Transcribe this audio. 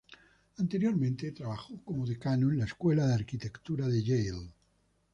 Anteriormente trabajó como decano de la Escuela de Arquitectura de Yale.